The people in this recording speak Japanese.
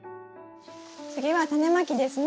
次はタネまきですね？